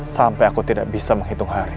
sampai aku tidak bisa menghitung hari